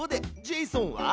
ジェイソンは？